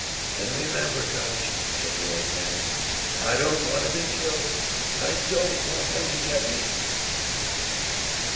"And remember, Gudge," said the old man, "I don't want to be killed! I don't want them to get me!"